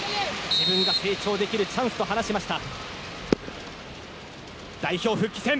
自分が成長できるチャンスと話しました。